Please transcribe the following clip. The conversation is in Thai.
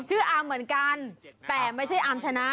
อามเหมือนกันแต่ไม่ใช่อาร์มชนะ